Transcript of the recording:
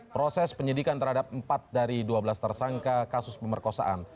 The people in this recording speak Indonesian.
proses penyidikan terhadap empat dari dua belas tersangka kasus pemerkosaan